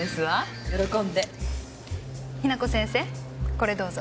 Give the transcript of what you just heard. これどうぞ。